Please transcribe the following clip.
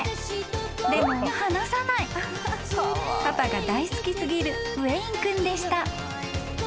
［パパが大好き過ぎるウェイン君でした］